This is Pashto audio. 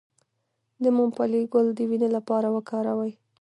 د ممپلی ګل د وینې لپاره وکاروئ